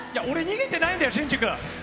俺逃げてないんだよ